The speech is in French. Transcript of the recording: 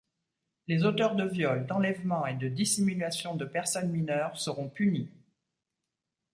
Les auteurs de viols, d’enlèvements et de dissimulation de personnes mineures seront punis.